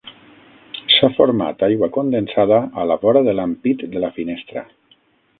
S'ha format aigua condensada a la vora de l'ampit de la finestra.